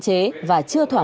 để tạo ra